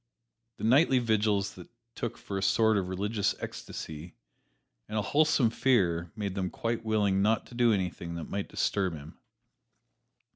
His nightly vigils they took for a sort of religious ecstasy, and a wholesome fear made them quite willing not to do anything that might disturb him.